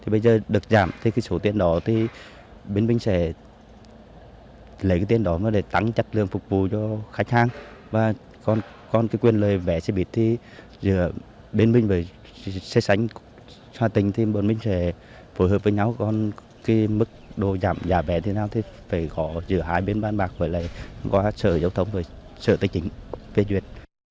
phù hợp với nhau còn mức đồ giảm giá vẻ thế nào thì phải gõ giữa hai bên ban bạc và lại qua sở giao thông và sở tài chính viên duyệt